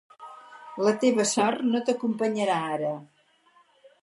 La teva sort no t'acompanyarà ara.